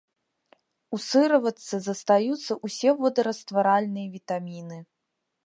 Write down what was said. У сыроватцы застаюцца ўсе водарастваральныя вітаміны.